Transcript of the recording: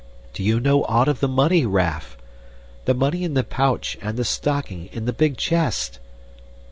Do you know aught of the money, Raff? The money in the pouch and the stocking, in the big chest?